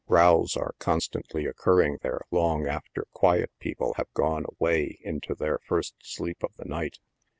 Rows are constantly occurring there long after quiet people have gone away into their first sleep of the night.